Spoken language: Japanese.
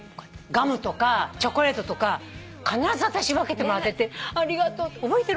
ガムとかチョコレートとか必ず私分けてもらっててありがとうって。